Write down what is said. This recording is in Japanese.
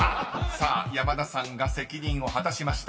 ［さあ山田さんが責任を果たしました］